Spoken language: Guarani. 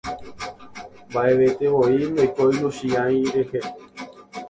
mba'evetevoi ndoikói Luchia'i rehe.